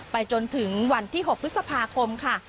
จนถึงวันที่๖พฤษภาคมค่ะ